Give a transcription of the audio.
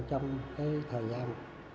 trong cái thời gian